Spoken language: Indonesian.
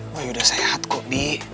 ya udah sehat kok bi